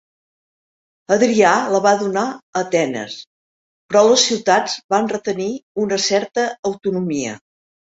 Adrià la va donar a Atenes, però les ciutats van retenir una certa autonomia.